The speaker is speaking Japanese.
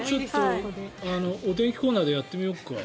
お天気コーナーでやってみようか。